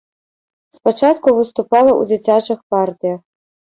Спачатку выступала ў дзіцячых партыях.